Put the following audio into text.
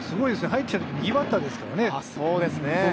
入ってきたとき右バッターですからね。